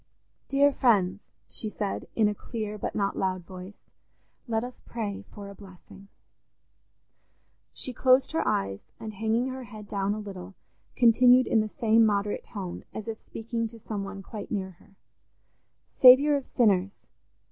"Dear friends," she said in a clear but not loud voice "let us pray for a blessing." She closed her eyes, and hanging her head down a little continued in the same moderate tone, as if speaking to some one quite near her: "Saviour of sinners!